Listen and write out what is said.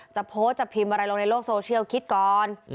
จะโพสต์จะพิมพ์อะไรลงในโลกโซเชียลคิดก่อน